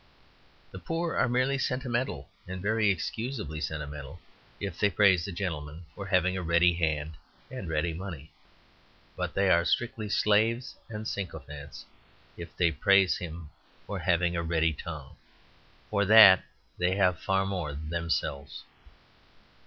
The poor are merely sentimental, and very excusably sentimental, if they praise the gentleman for having a ready hand and ready money. But they are strictly slaves and sycophants if they praise him for having a ready tongue. For that they have far more themselves.